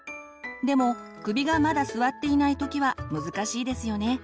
でも首がまだ座っていない時は難しいですよね。